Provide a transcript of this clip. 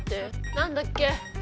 何だっけ？